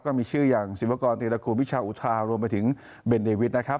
ก็มีชื่ออย่างศิวากรตีรกูลวิชาอุทารวมไปถึงเบนเดวิทนะครับ